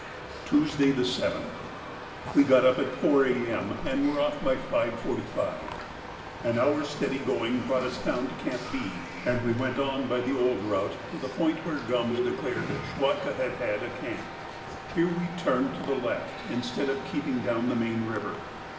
Tuesday, the 7th.—We got up at 4 A.M., and were off by 5.45; an hour's steady going brought us down to Camp B, and we went on by the old route to the point where Gums declared Schwatka had had a camp. Here we turned to the left instead of keeping down the main river.